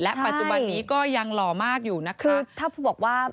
และปัจจุบันนี้ก็ยังหล่อมากอยู่นะคะ